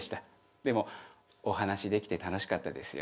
でもお話できて楽しかったですよ。